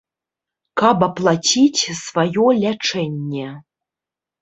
Каб аплаціць сваё лячэнне.